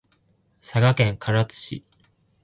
佐賀県唐津市